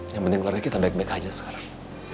yang penting keluarga kita baik baik aja sekarang